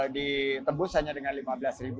ditebus hanya dengan rp lima belas